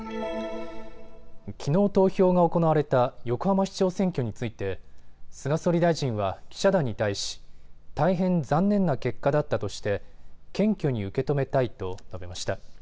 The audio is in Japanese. きのう投票が行われた横浜市長選挙について菅総理大臣は記者団に対し大変残念な結果だったとして謙虚に受け止めたいと述べました。